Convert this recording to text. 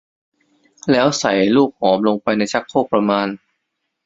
แล้วใส่ก้อนลูกหอมลงไปในชักโครกประมาณ